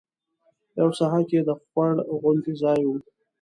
یوه ساحه کې د خوړ غوندې ځای و.